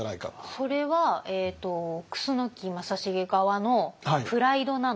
それは楠木正成側のプライドなのか